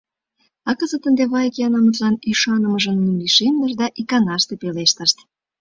А кызыт ынде Вайкаимытлан ӱшанымыже нуным лишемдыш да иканаште пелештышт: